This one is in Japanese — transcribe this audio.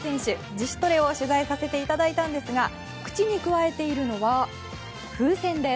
自主トレを取材させていただいたんですが口にくわえているのは風船です。